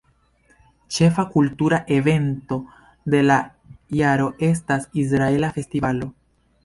Ĉefa kultura evento de la jaro estas Israela festivalo.